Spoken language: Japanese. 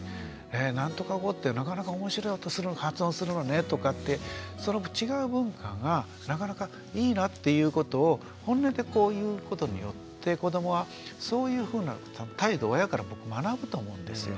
「なんとか語ってなかなか面白い発音するのね」とかってその違う文化がなかなかいいなっていうことを本音で言うことによって子どもはそういうふうな態度を親から学ぶと思うんですよ。